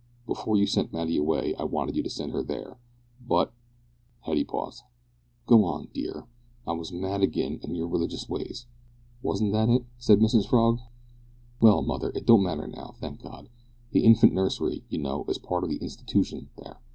Before you sent Matty away I wanted you to send her there, but " Hetty paused. "Go on, dear. I was mad agin' you an' your religious ways; wasn't that it?" said Mrs Frog. "Well, mother, it don't matter now, thank God. The Infant Nursery, you know, is a part of the Institution there.